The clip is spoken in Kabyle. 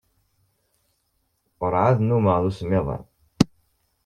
Ur ɛad nnumeɣ d usemmiḍ-a.